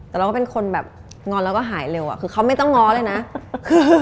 แต่เราก็เป็นคนแบบงอนแล้วก็หายเร็วอ่ะคือเขาไม่ต้องง้อเลยนะคือ